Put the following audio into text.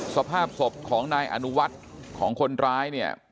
สภาพศพของนายอนุวัฒน์ของคนร้ายเนี่ย